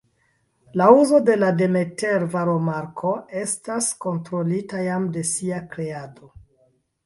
La uzo de la Demeter-varomarko estas kontrolita jam de sia kreado.